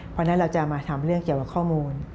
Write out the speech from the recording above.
เพราะฉะนั้นเราจะมาทำเรื่องเกี่ยวกับข้อมูล